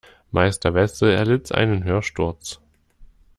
Meister Wetzel erlitt einen Hörsturz.